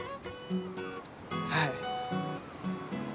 はい。